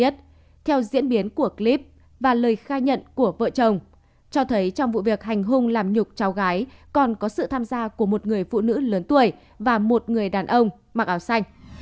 theo diễn biến của clip và lời khai nhận của vợ chồng cho thấy trong vụ việc hành hung làm nhục cháu gái còn có sự tham gia của một người phụ nữ lớn tuổi và một người đàn ông mặc áo xanh